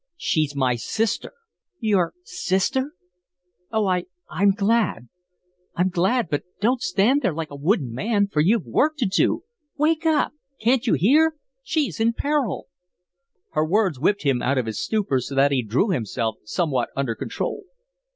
"She's my sister." "Your sister? Oh, I I'm glad. I'm glad but don't stand there like a wooden man, for you've work to do. Wake up. Can't you hear? She's in peril!" Her words whipped him out of his stupor so that he drew himself somewhat under control.